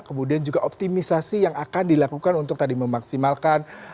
kemudian juga optimisasi yang akan dilakukan untuk tadi memaksimalkan